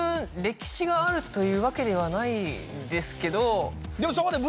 歴史があるというわけではないんですけど。